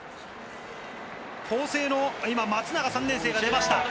法政の今、松永、３年生が出ました。